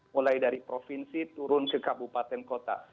mulai dari provinsi turun ke kabupaten kota